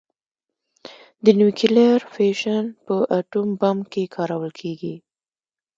د نیوکلیر فیشن په اټوم بم کې کارول کېږي.